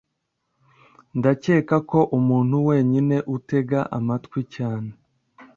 Ndakeka ko umuntu wenyine utega amatwi cyane